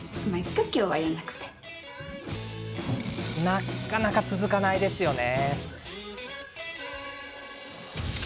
なかなか続かないですよね。